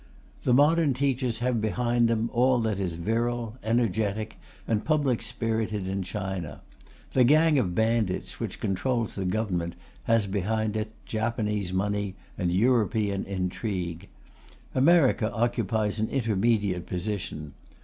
The modern teachers have behind them all that is virile, energetic, and public spirited in China; the gang of bandits which controls the Government has behind it Japanese money and European intrigue. America occupies an intermediate position.